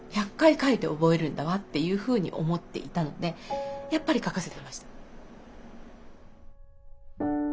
「１００回書いて覚えるんだわ」っていうふうに思っていたのでやっぱり書かせてました。